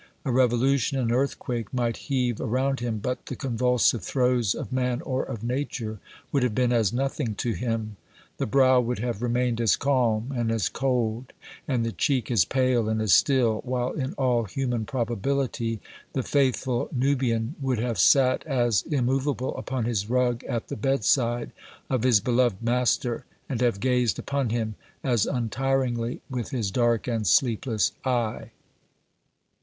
A revolution, an earthquake might heave around him, but the convulsive throes of man or of nature would have been as nothing to him. The brow would have remained as calm and as cold, and the cheek as pale and as still, while, in all human probability, the faithful Nubian would have sat as immovable upon his rug at the bedside of his beloved master, and have gazed upon him as untiringly with his dark and sleepless eye.